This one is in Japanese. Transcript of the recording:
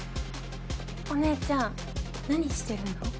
お姉ちゃん何してるの？